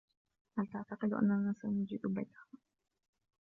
هل تعتقد أننا سنجد بيتها ؟